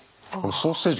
ソーセージ。